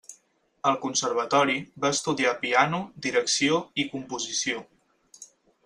Al conservatori, va estudiar piano, direcció i composició.